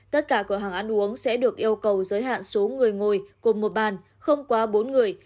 tất cả cửa hàng ăn uống sẽ được yêu cầu giới hạn số người ngồi cùng một bàn không quá bốn người